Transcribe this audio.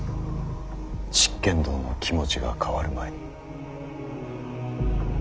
執権殿の気持ちが変わる前に。